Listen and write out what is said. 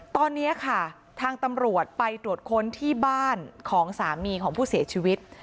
ตอนนี้ค่ะทางตำรวจไปตรวจค้นที่บ้านของสามีของผู้เสียชีวิต